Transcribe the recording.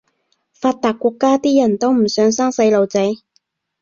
發達國家啲人都唔想生細路仔